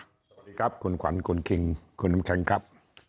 สวัสดีครับคุณขวัญคุณคิงคุณน้ำแข็งครับ